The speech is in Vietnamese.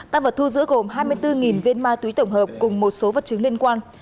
tăng vật thu giữ gồm hai mươi bốn viên ma túy tổng hợp cùng một số vật chứng liên quan